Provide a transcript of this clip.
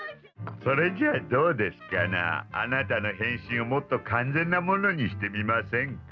それじゃあどうですかなあなたの変身をもっと完全なものにしてみませんか。